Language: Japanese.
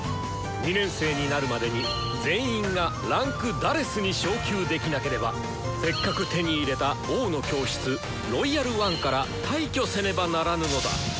２年生になるまでに全員が位階「４」に昇級できなければせっかく手に入れた「王の教室」「ロイヤル・ワン」から退去せねばならぬのだ！